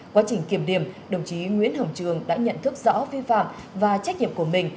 quá trình kiểm điểm đồng chí nguyễn hồng trường đã nhận thức rõ vi phạm và trách nhiệm của mình